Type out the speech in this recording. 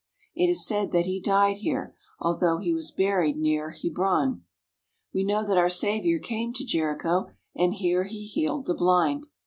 It is said that he died here, although he was buried near Hebron. We know that our Saviour came to Jericho, and here He healed the blind.